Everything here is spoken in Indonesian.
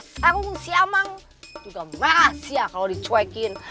sarung siamang juga mahasiswa kalau dicuekin